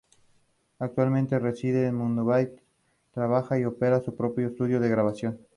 Actualmente reside en Mumbai, trabaja y opera su propio estudio de grabación.